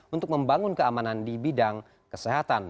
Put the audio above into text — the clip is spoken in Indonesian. untuk membangun keamanan di bidang kesehatan